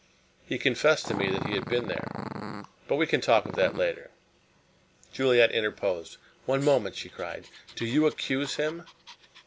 "He confessed to me that he had been here. But we can talk of that later " Juliet interposed. "One moment," she cried, "do you accuse him?"